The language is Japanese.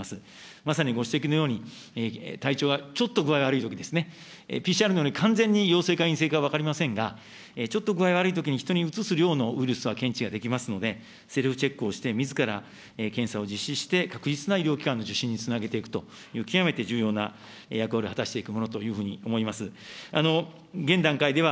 まさにご指摘のように、体調がちょっと具合悪いとき、ＰＣＲのように完全に陽性か陰性か分かりませんが、ちょっと具合悪いときに、人にうつす量のウイルスは検知できますので、セルフチェックをして、みずから検査を実施して、確実な医療機関の受診につなげていくという極めて重要な役割を果たしていくものというふうに思います。